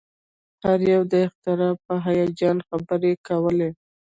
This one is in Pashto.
هر یو د اختراع په هیجان خبرې کولې